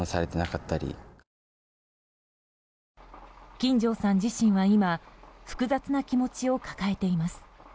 金城さん自身は今複雑な気持ちを抱えています。